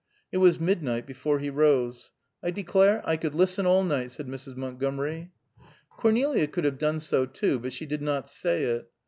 It was midnight before he rose. "I declare I could listen all night," said Mrs. Montgomery. Cornelia could have done so, too, but she did not say it.